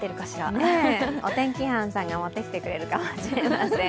お天気班さんが持ってきてくれるかもしれません。